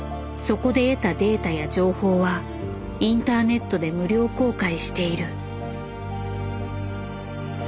そこで得たデータや情報はインターネットで無料公開している。